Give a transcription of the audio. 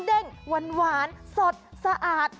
เด้งหวานสดสะอาด